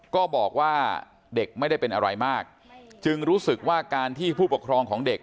ก็บอกว่าเด็กไม่ได้เป็นอะไรมากจึงรู้สึกว่าการที่ผู้ปกครองของเด็ก